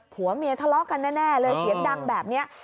ผัวเมียทะเลาะกันแน่เลยเสียงดังแบบนี้